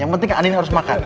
yang penting andi harus makan